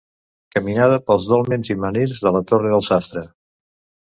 Caminada pels dòlmens i menhirs de la Torre del Sastre.